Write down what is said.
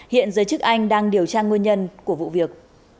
hiện giới chức anh đang điều tra nguyên nhân của vụ việc